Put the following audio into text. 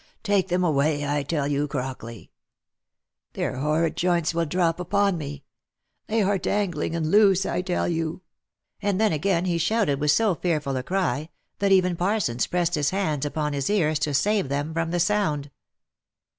Take them away, I tell you, Crockley ! Their horrid joints will drop upon me ! They are dangling and loose, I tell you !" and then again he shouted with so fearful a cry, that even Parsons pressed his hands upon his ears to save them from the sound.